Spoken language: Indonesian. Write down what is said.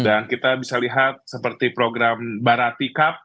dan kita bisa lihat seperti program baratikap